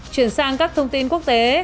chuyển sang các thông tin quốc tế